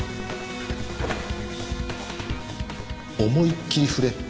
思いっきり振れ。